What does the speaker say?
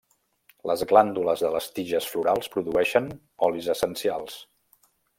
Les glàndules de les tiges florals produeixen olis essencials.